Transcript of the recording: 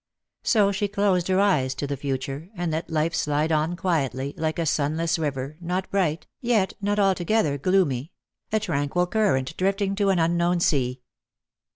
So she closed her eyes to the future, and let life slide on quietly, like a sunless river, not bright, yet not altogether gloomy ; a tranquil current drifting to an unknown sea.